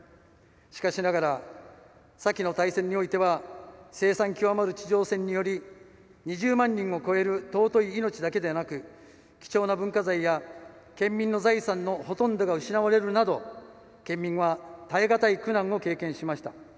しかしながら先の大戦においては凄惨極まる地上戦により２０万人を超える尊い命だけではなく貴重な文化財や県民の財産のほとんどが失われるなど県民は耐えがたい苦難を経験しました。